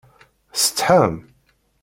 Tsetḥam?